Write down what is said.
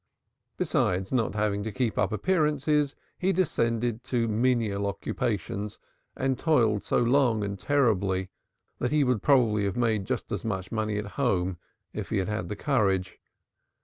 Besides, not having to keep up appearances, he descended to menial occupations and toiled so long and terribly that he would probably have made just as much money at home, if he had had the courage.